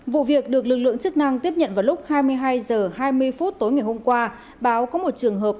vụ việc được lực lượng chức năng tiếp nhận vào lúc hai mươi hai h hai mươi phút tối ngày hôm qua báo có một trường hợp